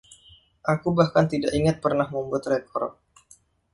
Aku bahkan tidak ingat pernah membuat rekor.